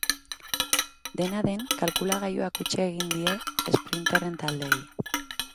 Dena den, kalkulagailuak huts egin die esprinterren taldeei.